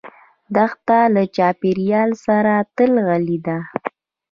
دښته له چاپېریال سره تل غلي ده.